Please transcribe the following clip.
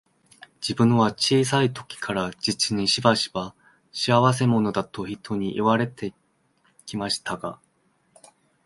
自分は小さい時から、実にしばしば、仕合せ者だと人に言われて来ましたが、